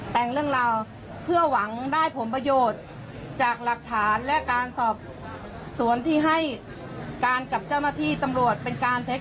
แต่งเรื่องราวเพื่อหวังได้ผลประโยชน์จากหลักฐานและการสอบสวนที่ให้การกับเจ้าหน้าที่ตำรวจเป็นการเท็จ